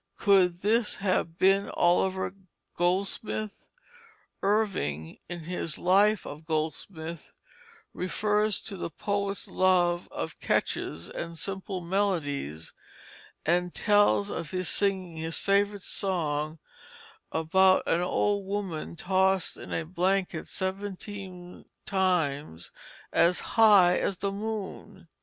Could this have been Oliver Goldsmith? Irving, in his Life of Goldsmith, refers to the poet's love of catches and simple melodies, and tells of his singing "his favorite song about An old woman tossed in a blanket seventeen times as high as the moon."